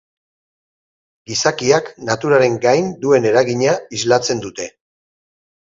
Gizakiak naturaren gain duen eragina islatzen dute.